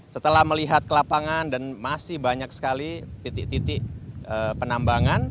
setelah melihat ke lapangan dan masih banyak sekali titik titik penambangan